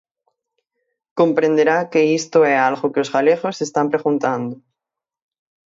Comprenderá que isto é algo que os galegos se están preguntando.